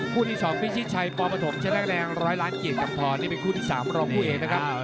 คู่ที่๒วิชิไชปอล์มะถมชาลักแดง๑๐๐ล้านเกียรติกำทองนี้เป็นคู่ที่๓รองผู้เองนะครับ